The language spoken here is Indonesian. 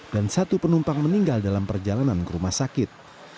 dan satu penumpang meninggal dalam perjalanan ke rumah sakit